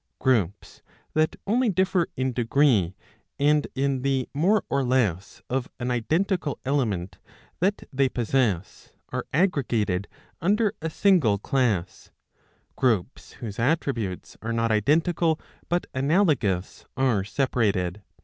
Groups that only differ in degree, and in the more or less of an identical element that they possess, are aggregated under a single class ; groups 644 a. 1.4. 15 whose attributes are not identical but analogous are separated.